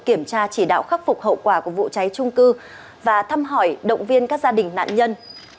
kiểm tra chỉ đạo khắc phục hậu quả của vụ cháy trung cư và thăm hỏi động viên các gia đình nạn nhân